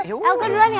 el gue duluan ya